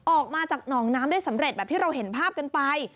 ออกมาจากหนองน้ำได้สำเร็จแบบที่เราเห็นภาพกันไป